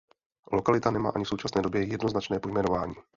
Lokalita nemá ani v současné době jednoznačné pojmenování.